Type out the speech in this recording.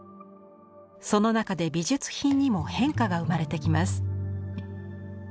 その中で美術品にも変化が生まれてきます。